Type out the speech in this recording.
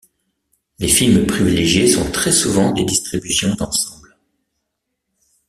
Les films privilégiés sont très souvent des distributions d'ensemble.